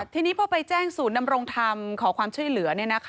ทีนี้พอไปแจ้งศูนย์นำรงธรรมขอความช่วยเหลือ